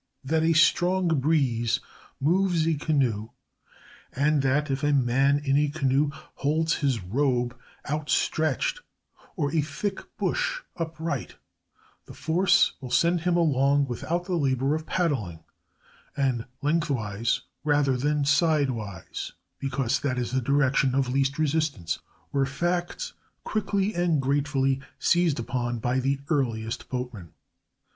That a strong breeze moves a canoe, and that, if a man in a canoe holds his robe outstretched or a thick bush upright, the force will send him along without the labor of paddling, and lengthwise rather than sidewise, because that is the direction of least resistance, were facts quickly and gratefully seized upon by the earliest boatmen.